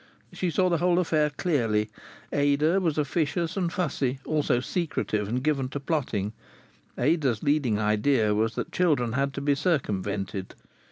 She saw the whole affair clearly. Ada was officious and fussy, also secretive and given to plotting. Ada's leading idea was that children had to be circumvented.